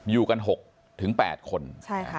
อยู่กัน๖๘คนใช่ค่ะ